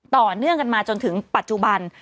ต่อเนื่องกันมาจนถึงปัจจุบัน